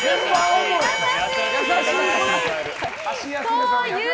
優しい！